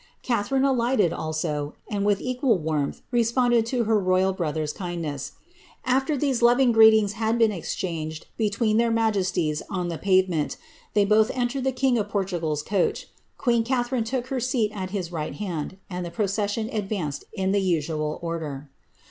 Catharine alighted also, and with equal wanaib i^ sponded to her royal brother^s kindness. Afler theae loring greeti^p had hern exchanged between their majesties on the paTemeni, they boi entered the king of PortugaPs coaclu queen Catharine took her seat tf his right hand, and the procession advanced in the usual order.'